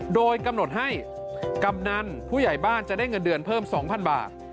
โดยกำหนดให้กำนันผู้ใหญ่บ้านจะได้เงินเดือนเพิ่ม๒๐๐บาท